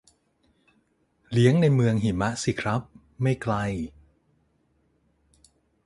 เลี้ยงในเมืองหิมะสิครับ ไม่ไกล